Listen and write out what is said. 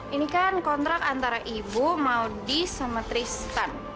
ini kan kontrak antara ibu maudie sama tristan